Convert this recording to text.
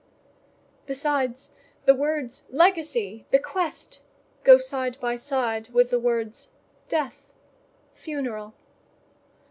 Besides, the words Legacy, Bequest, go side by side with the words, Death, Funeral.